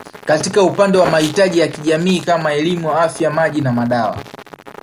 Katika upande wa mahitaji ya kijamii kama elimu Afya Maji na madawa